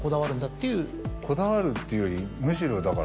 こだわるっていうよりむしろだから。